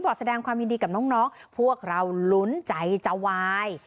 แสดงความยินดีกับน้องพวกเราลุ้นใจจะวาย